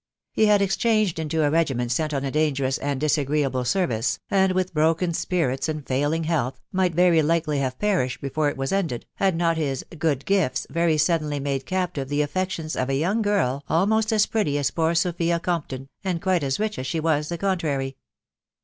He had exchanged into a regiment sent on a dangerous and disagreeable service, and with broken spirits and failing health, might very likely have perished before it was ended, had not his " good gifts" very suddenly made captive the affections of a young girl almost at pretty as poor Sophia Compton, and quite as rich as she was the contrary.